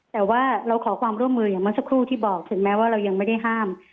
แต่ว่าเราขอความร่วมมืออย่างเมื่อสักครู่ที่บอกถึงแม้ว่าเรายังไม่ได้ห้าม